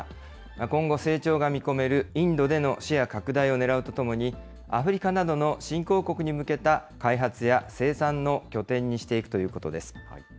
今後、成長が見込めるインドでのシェア拡大をねらうとともに、アフリカなどの新興国に向けた開発や生産の拠点にしていくということです。